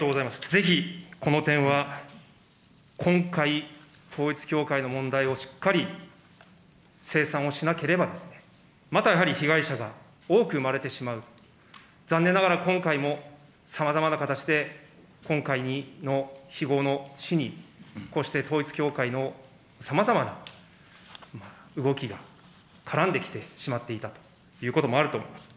ぜひ、この点は、今回、統一教会の問題をしっかり清算をしなければ、またやはり被害者が多く生まれてしまう、残念ながら今回も、さまざまな形で、今回の非業の死に、こうして統一教会のさまざまな動きが、絡んできてしまっていたということもあると思います。